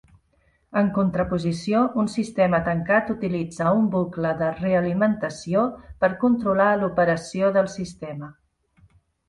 En contraposició, un sistema tancat utilitza un bucle de realimentació per controlar l'operació del sistema.